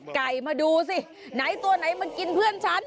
ไก่มาดูสิไหนตัวไหนมากินเพื่อนฉัน